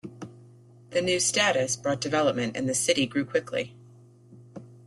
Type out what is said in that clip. The new status brought development and the city grew quickly.